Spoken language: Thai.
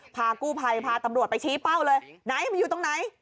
พากู้ภัยพาตำรวจไปชี้เป้าเลยไหนมันอยู่ตรงไหน